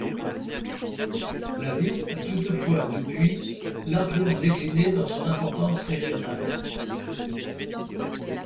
La ville a toutefois depuis largement décliné dans son importance régionale.